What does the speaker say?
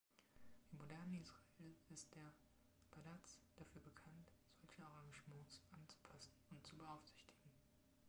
Im modernen Israel ist der „Badatz“ dafür bekannt, solche Arrangements anzupassen und zu beaufsichtigen.